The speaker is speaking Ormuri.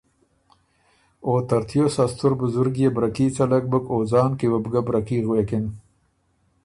او ترتیوس ا ستُر بزرګ يې بره کي څلک بُک او ځان کی وه بو بره کي غوېکِن۔